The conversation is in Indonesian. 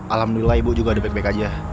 alhamdulillah ibu juga ada baik baik aja